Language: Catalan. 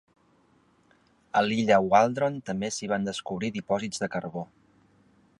A l'illa Waldron també s'hi van descobrir dipòsits de carbó.